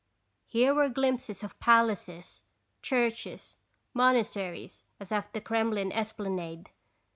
Here were glimpses of palaces, churches, monasteries as of the Kremlin es planade.